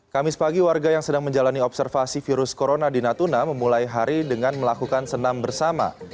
kamis pagi warga yang sedang menjalani observasi virus corona di natuna memulai hari dengan melakukan senam bersama